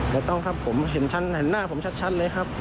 แล้วต้องครับผมเห็นชั้นหน้าผมชัดเลยครับ